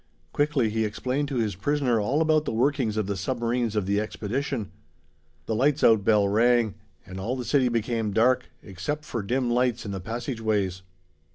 Quickly he explained to his prisoner all about the workings of the submarines of the expedition. The lights out bell rang, and all the city became dark, except for dim lights in the passageways.